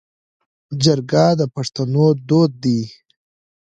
جرګه د پښتنو دود دی